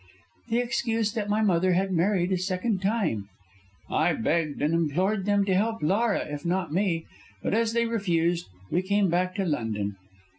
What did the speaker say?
"The excuse that my mother had married a second time. I begged and implored them to help Laura, if not me, but as they refused we came back to London.